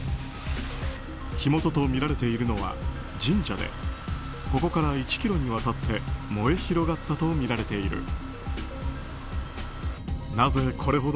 火元とみられているのは神社でここから１ｋｍにわたって燃え広がったとみられている。